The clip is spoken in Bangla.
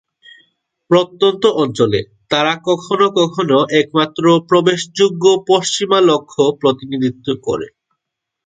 প্রত্যন্ত অঞ্চলে, তারা কখনও কখনও একমাত্র প্রবেশযোগ্য পশ্চিমা লক্ষ্য প্রতিনিধিত্ব করে।